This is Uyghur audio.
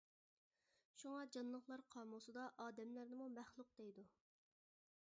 شۇڭا جانلىقلار قامۇسىدا ئادەملەرنىمۇ مەخلۇق دەيدۇ.